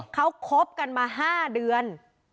เขาคบกันมา๕เดือน